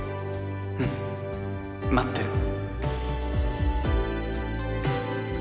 うん待ってる